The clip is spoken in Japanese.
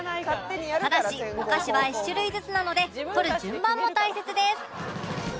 ただしお菓子は１種類ずつなので取る順番も大切です